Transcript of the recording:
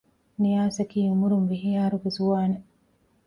ނިޔާސަކީ އުމުރުން ވިހި އަހަރުގެ ޒުވާނެއް